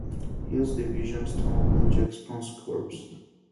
Hill's Division, Stonewall Jackson's Corps.